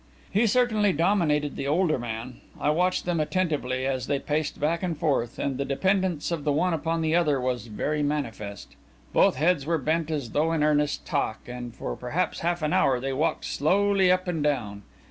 He certainly dominated the older man. I watched them attentively, as they paced back and forth, and the dependence of the one upon the other was very manifest. Both heads were bent as though in earnest talk, and for perhaps half an hour they walked slowly up and down.